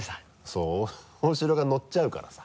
そう大城がのっちゃうからさ。